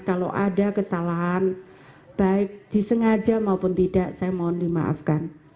kalau ada kesalahan baik disengaja maupun tidak saya mohon dimaafkan